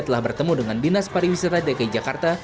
telah bertemu dengan dinas pariwisata dki jakarta